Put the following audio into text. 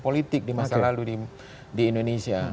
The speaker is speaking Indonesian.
politik di masa lalu di indonesia